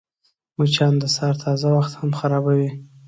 مچان د سهار تازه وخت هم خرابوي